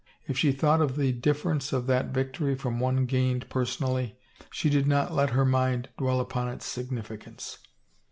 If she thought of the difference of that victory from one gained per sonally, she did not let her mind dwell upon its signifi cance.